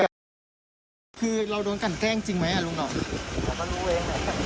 คือเราโดนกันแกล้งจริงไหมลูกหน่อ